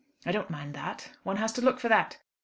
I don't mind that; one has to look for that.